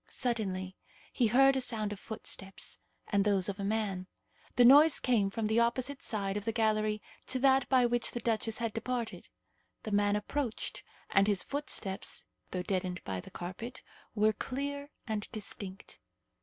Suddenly he heard a sound of footsteps, and those of a man. The noise came from the opposite side of the gallery to that by which the duchess had departed. The man approached, and his footsteps, though deadened by the carpet, were clear and distinct.